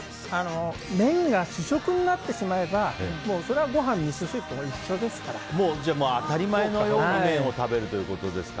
麺が主食になってしまえばそれはご飯やみそ汁とじゃあ、当たり前のように麺を食べるということですか。